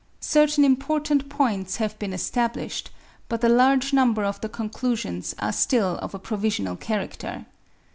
Certain important points have been established, but a large number of the conclusions are still of a provisional character.